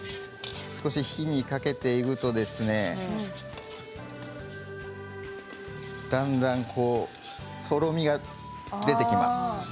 火にかけていくと、だんだんとろみが出てきます。